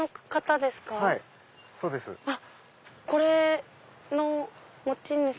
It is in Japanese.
これの持ち主？